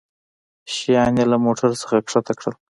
شيان يې له موټرڅخه کښته کړل.